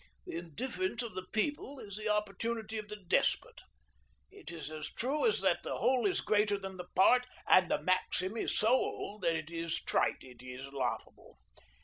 The indifference of the People is the opportunity of the despot. It is as true as that the whole is greater than the part, and the maxim is so old that it is trite it is laughable.